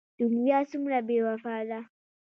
دنيا څومره بې وفا ده.